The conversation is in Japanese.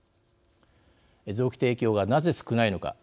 臓器提供が、なぜ少ないのか。